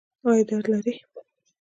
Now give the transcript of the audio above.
ایا درد لرئ؟